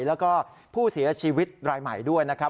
แล้วก็ผู้เสียชีวิตรายใหม่ด้วยนะครับ